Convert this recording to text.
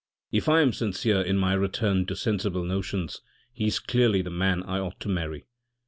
" If I am sincere in my return to sensible notions, he is clearly the man I ought to marry."